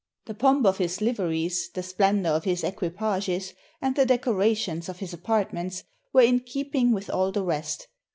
The pomp of his liveries, the splendor of his equipages, and the deco rations of his apartments, were in keeping with all the rest.